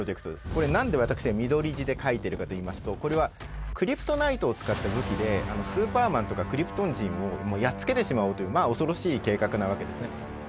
これ何で私が緑字で書いてるかといいますとこれはクリプトナイトを使った武器でスーパーマンとかクリプトン人をやっつけてしまおうというまあ恐ろしい計画なわけですね。